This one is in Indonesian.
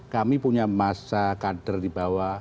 kami punya masa kader di bawah